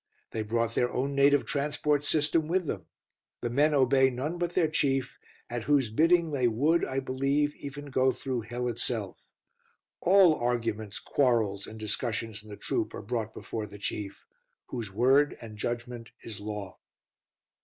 They brought their own native transport system with them. The men obey none but their chief, at whose bidding they would, I believe, even go through Hell itself. All arguments, quarrels, and discussions in the troop are brought before the Chief, whose word and judgment is law.